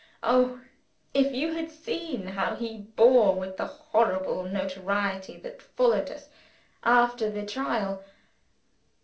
Oh, if you had seen how he bore with the horrible notoriety that followed us, after the trial!